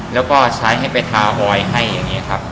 แล้วก็ใช้ให้ไปทาบอยให้อย่างนี้ครับ